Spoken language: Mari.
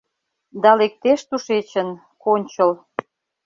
Да лектеш тушечын, кончыл